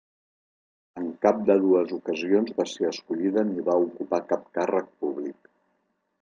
En cap de dues ocasions va ser escollida ni va ocupar cap càrrec públic.